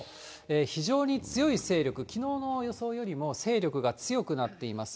非常に強い勢力、きのうの予想よりも勢力が強くなっています。